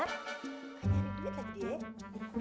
kayaknya ada duit lagi deh